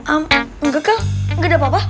amm enggak kek enggak ada apa apa